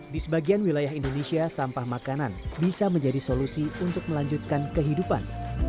di sebagian wilayah indonesia sampah makanan bisa menjadi solusi untuk melanjutkan kehidupan